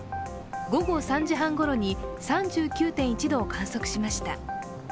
午後３時半ごろに３９．１度を観測しました。